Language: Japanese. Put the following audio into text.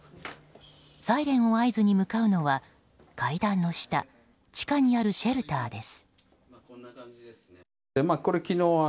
サイレンを合図に向かうのは階段の下地下にあるシェルターです。